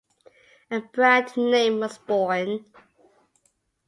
A brand name was born.